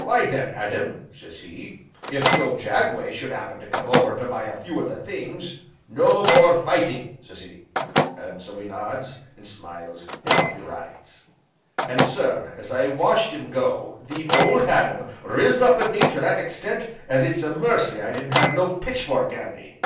'Why then, Adam,' sez he, 'if Job Jagway should 'appen to come over to buy a few o' the things, no more fighting!' sez he. An' so he nods, an' smiles, an' off he rides. An' sir, as I watched him go, the 'Old Adam' riz up in me to that extent as it's a mercy I didn't have no pitchfork 'andy."